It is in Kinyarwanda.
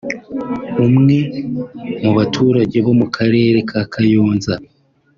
umwe mu baturage bo mu Karere ka Kayonza